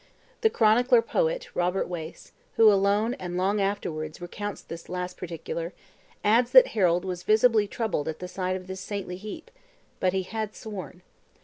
The chronicler poet, Robert Wace, who, alone and long afterwards, recounts this last particular, adds that Harold was visibly troubled at sight of this saintly heap; but he had sworn.